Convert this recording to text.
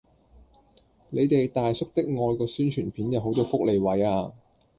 你哋大叔的愛個宣傳片有好多福利位啊